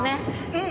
うん！